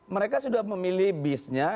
mereka sudah memilih bisnya